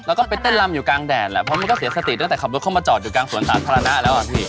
แล้วก็ไปเต้นลำอยู่กลางแดดแหละเพราะมันก็เสียสติตั้งแต่ขับรถเข้ามาจอดอยู่กลางสวนสาธารณะแล้วอ่ะพี่